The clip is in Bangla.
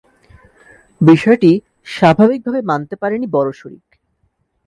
বিষয়টি স্বাভাবিকভাবে মানতে পারেনি বড় শরিক।